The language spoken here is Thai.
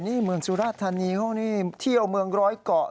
นี่เมืองสุราชธานีเขานี่เที่ยวเมืองร้อยเกาะ